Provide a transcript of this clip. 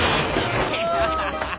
アハハハハ！